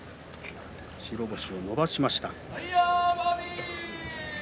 白星を伸ばしました。